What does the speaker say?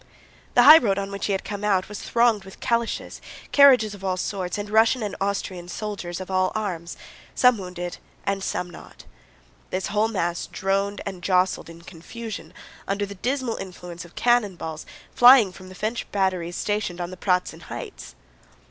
The highroad on which he had come out was thronged with calèches, carriages of all sorts, and Russian and Austrian soldiers of all arms, some wounded and some not. This whole mass droned and jostled in confusion under the dismal influence of cannon balls flying from the French batteries stationed on the Pratzen Heights.